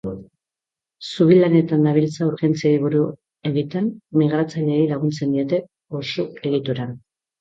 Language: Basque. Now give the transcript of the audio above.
Zubi lanetan dabiltza urgentziei buru egiten, migratzaileei laguntzen diete, pauso-egituran.